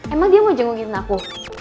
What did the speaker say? emang dia mau jenguin aku